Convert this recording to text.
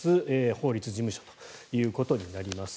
法律事務所ということになります。